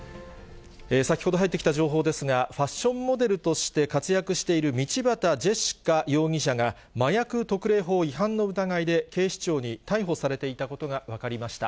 先ほど入ってきた情報ですが、ファッションモデルとして活躍している道端ジェシカ容疑者が麻薬特例法違反の疑いで、警視庁に逮捕されていたことが分かりました。